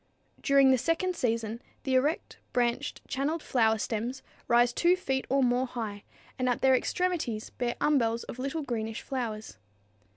During the second season the erect, branched, channeled flower stems rise 2 feet or more high, and at their extremities bear umbels of little greenish flowers.